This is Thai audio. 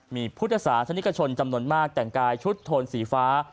มีพุทธศาสนิกชนจำนวนมากแต่งกายชุดโทนสีฟ้า